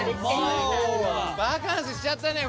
バカンスしちゃったね